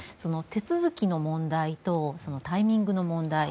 手続きの問題とタイミングの問題。